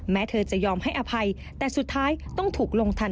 แม้เธอจะยอมให้อภัยแต่สุดท้ายต้องถูกลงทัน